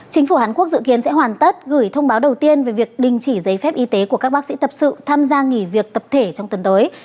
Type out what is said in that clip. chính phủ hàn quốc dự kiến sẽ hoàn tất gửi thông báo đầu tiên về việc đình chỉ giấy phép y tế của các bác sĩ tập sự tham gia nghỉ việc tập thể trong tuần tới